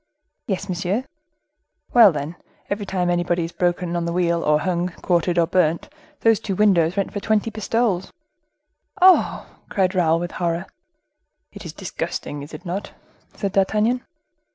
"Yes, monsieur." "Well, then, every time anybody is broken on the wheel or hung, quartered, or burnt, these two windows let for twenty pistoles." "Oh!" said Raoul, with horror. "It is disgusting, is it not?" said D'Artagnan.